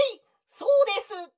そうです！」。